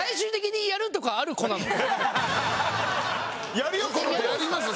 やりますよ